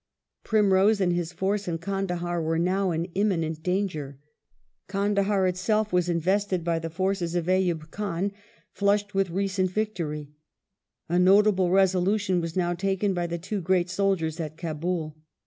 Primrose and his force in Kandahar were now in imminent danger. Kandahdr itself was invested by the forces of Ayub Khan, flushed with recent .,; .;'1 victory. A notable resolution was now taken by the two great soldiers at Kabul.